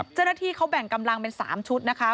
เจ้าหน้าที่เขาแบ่งกำลังเป็น๓ชุดนะคะ